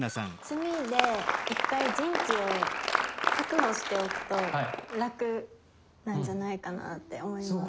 隅で１回陣地を確保しておくと楽なんじゃないかなって思います。